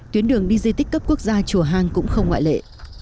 tuyến đường đi di tích cấp quốc gia chùa hàng cũng không ngoại lệ